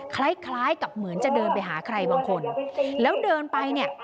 คล้ายคล้ายกับเหมือนจะเดินไปหาใครบางคนแล้วเดินไปเนี่ย